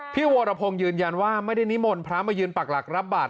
วรพงศ์ยืนยันว่าไม่ได้นิมนต์พระมายืนปักหลักรับบาท